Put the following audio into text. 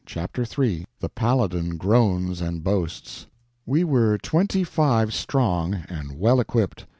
Chapter 3 The Paladin Groans and Boasts WE WERE twenty five strong, and well equipped.